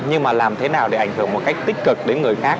nhưng mà làm thế nào để ảnh hưởng một cách tích cực đến người khác